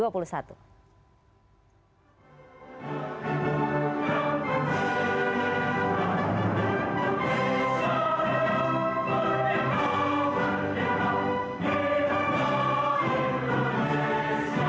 pertama kali kami berjumpa dengan